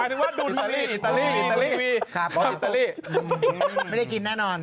อิตาลี่